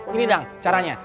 gini dang caranya